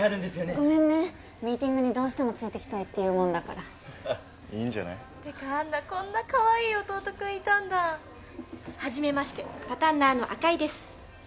ごめんねミーティングにどうしてもついてきたいっていうもんだからハハッいいんじゃない？ってかアンナこんなかわいい弟くんいたんだはじめましてパタンナーの赤井です